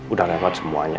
udah lewat semuanya